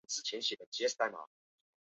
该寺为修习苯教大圆满法的中心寺院。